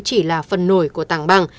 chỉ là phần nổi của tàng băng